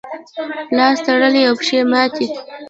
لاس تړلی او پښې ماتې.